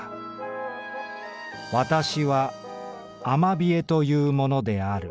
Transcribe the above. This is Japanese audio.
『私はアマビエというものである。